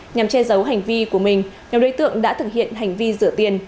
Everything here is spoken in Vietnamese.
nhằm che giấu hành vi của mình nhóm đối tượng đã thực hiện hành vi rửa tiền